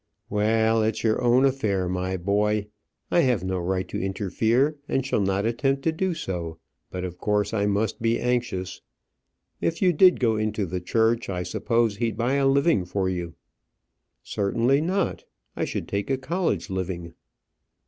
"Well, it's your own affair, my boy. I have no right to interfere, and shall not attempt to do so; but of course I must be anxious. If you did go into the church, I suppose he'd buy a living for you?" "Certainly not; I should take a college living."